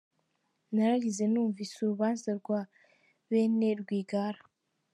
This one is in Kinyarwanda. Nararize numvise urubanza rwa bene Rwigara.